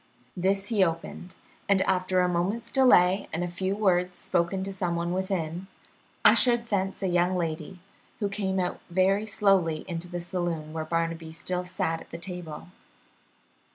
This he opened, and after a moment's delay and a few words spoken to some one within, ushered thence a young lady, who came out very slowly into the saloon where Barnaby still sat at the table.